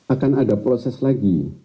akan ada proses lagi